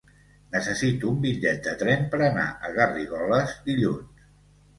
Necessito un bitllet de tren per anar a Garrigoles dilluns.